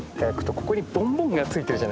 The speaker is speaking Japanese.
ここにボンボンがついてるじゃないですか。